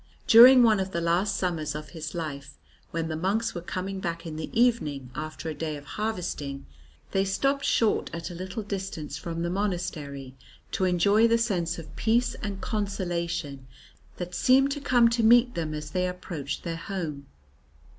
During one of the last summers of his life when the monks were coming back in the evening after a day of harvesting, they stopped short at a little distance from the monastery to enjoy the sense of peace and consolation that seemed to come to meet them as they approached their home.